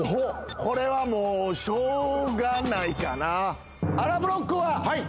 これはもうしょうがないかなあらブロックはわーい！